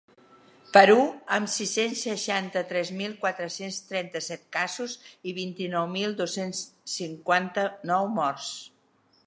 Perú, amb sis-cents seixanta-tres mil quatre-cents trenta-set casos i vint-i-nou mil dos-cents cinquanta-nou morts.